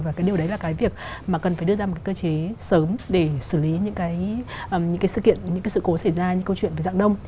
và cái điều đấy là cái việc mà cần phải đưa ra một cơ chế sớm để xử lý những cái sự kiện những cái sự cố xảy ra những câu chuyện về dạng đông